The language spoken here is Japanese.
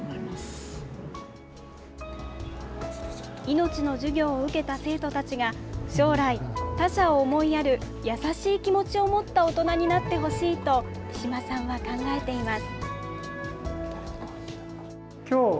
命の授業を受けた生徒たちが将来、他者を思いやる優しい気持ちを持った大人になってほしいと比島さんは考えています。